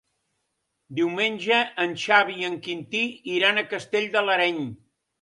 Diumenge en Xavi i en Quintí iran a Castell de l'Areny.